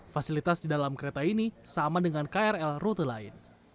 fasilitas di dalam kereta ini sama dengan krl rute lain